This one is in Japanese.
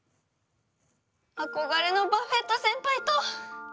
憧れのバフェット先輩と！